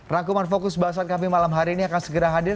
rangkuman fokus bahasan kami malam hari ini akan segera hadir